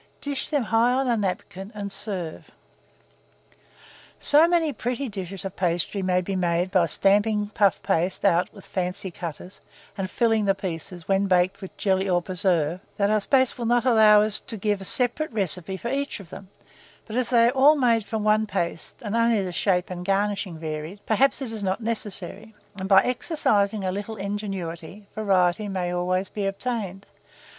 Dish them high on a napkin, and serve. So many pretty dishes of pastry may be made by stamping puff paste out with fancy cutters, and filling the pieces, when baked, with jelly or preserve, that our space will not allow us to give a separate recipe for each of them; but, as they are all made from one paste, and only the shape and garnishing varied, perhaps it is not necessary, and by exercising a little ingenuity, variety may always be obtained.